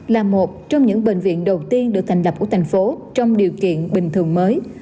là một trong những bệnh viện đầu tiên được thành lập của thành phố trong điều kiện bình thường mới